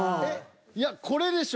いやこれでしょ。